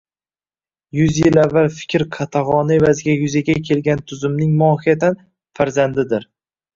yuz yil avval fikr qatag‘oni evaziga yuzaga kelgan tuzumning mohiyatan «farzandi»dir.